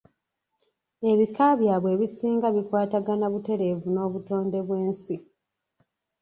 Ebika byabwe ebisinga bikwatagana butereevu n’obutonde bw’ensi.